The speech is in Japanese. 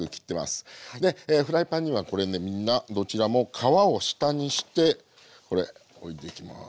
でフライパンにはこれねみんなどちらも皮を下にしてこれ置いていきます。